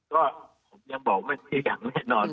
ก็ยังบอกว่าไม่ใช่อย่างแน่นอน